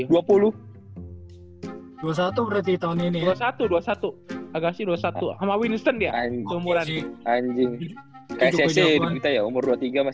hai bushelai dua puluh satu berarti tahun ini dua ribu satu ratus dua puluh satu kalau yi dua puluh satu h win esen dia anjing enjing ngajak somos